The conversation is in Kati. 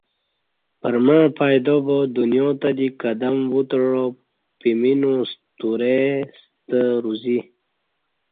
پرمع پیدابا دنیاتہ دی قدم وُتعا پمینو سترے ستہ روزی